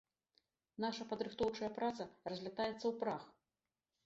Наша падрыхтоўчая праца разлятаецца ў прах.